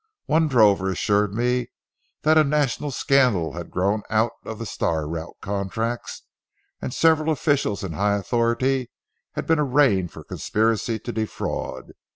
One drover assured me that a national scandal had grown out of the Star Route contracts, and several officials in high authority had been arraigned for conspiracy to defraud.